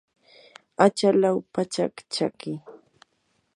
achalaw pachak chaki.